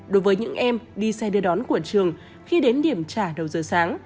đối với những em đi xe đưa đón của trường khi đến điểm trả đầu giờ sáng